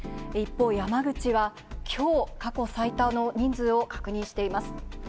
一方、山口はきょう、過去最多の人数を確認しています。